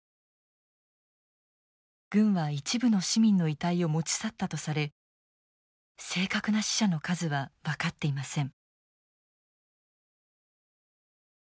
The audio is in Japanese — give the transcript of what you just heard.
軍は一部の市民の遺体を持ち去ったとされ正確な死者の数は分かっていません。